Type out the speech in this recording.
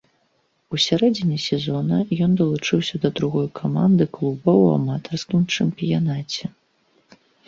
У сярэдзіне сезона ён далучыўся да другой каманды клуба ў аматарскім чэмпіянаце.